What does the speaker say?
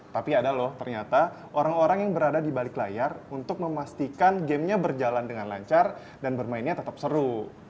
tapi ada loh ternyata orang orang yang berada di balik layar untuk memastikan gamenya berjalan dengan lancar dan bermainnya tetap seru